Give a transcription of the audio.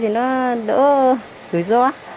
thì nó đỡ dưới gió